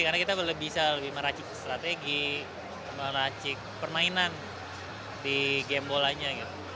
karena kita bisa lebih meracik strategi meracik permainan di game bolanya